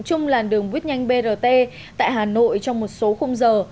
chung làn đường vít nhanh brt tại hà nội trong một số khung giờ